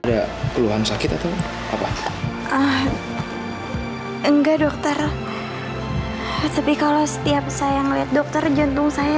ada keluhan sakit atau apa enggak dokter tapi kalau setiap saya ngeliat dokter jantung saya